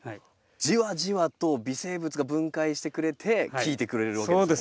じわじわと微生物が分解してくれて効いてくれるわけですもんね。